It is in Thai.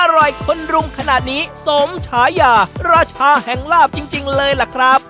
อร่อยคนรุมขนาดนี้สมฉายาราชาแห่งลาบจริงเลยล่ะครับ